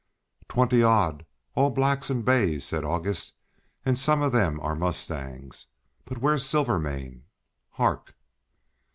"Twenty odd, all blacks and bays," said August, "and some of them are mustangs. But where's Silvermane? hark!"